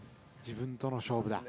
自分との勝負だ。